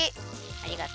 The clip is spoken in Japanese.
ありがとう。